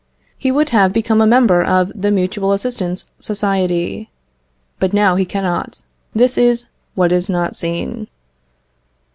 He would have become a member of the Mutual Assistance Society, but now he cannot; this is what is not seen.